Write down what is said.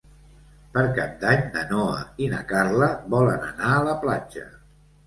Per Cap d'Any na Noa i na Carla volen anar a la platja.